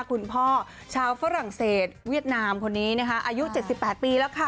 คุณพ่อชาวฝรั่งเศสเวียดนามคนนี้นะคะอายุ๗๘ปีแล้วค่ะ